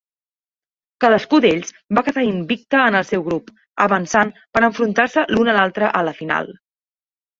Cadascú d'ells va quedar invicte en el seu grup, avançant per enfrontar-se l'un a l'altre a la final.